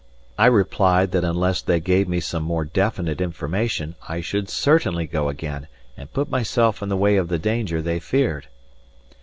I replied that unless they gave me some more definite information I should certainly go again and put myself in the way of the danger they feared.